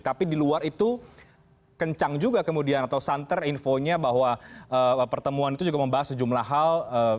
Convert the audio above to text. tapi di luar itu kencang juga kemudian atau santer infonya bahwa pertemuan itu juga membahas sejumlah hal